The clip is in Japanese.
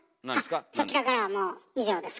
あっそちらからはもう以上ですか。